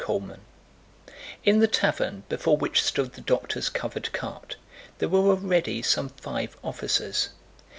CHAPTER XIII In the tavern, before which stood the doctor's covered cart, there were already some five officers.